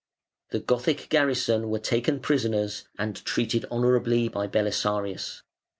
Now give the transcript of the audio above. The Gothic garrison were taken prisoners and treated honourably by Belisarius.